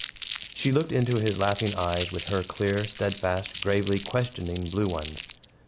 She looked into his laughing eyes with her clear, stedfast, gravely questioning blue ones.